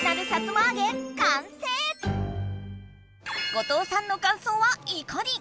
後藤さんのかんそうはいかに！